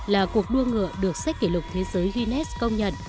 là cuộc đua ngựa được sách kỷ lục thế giới guinness công nhận